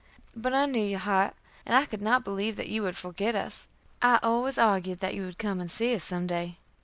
But I knew your heart, and could not believe that you would forget us. I always argued that you would come and see us some day."